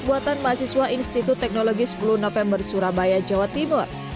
buatan mahasiswa institut teknologi sepuluh november surabaya jawa timur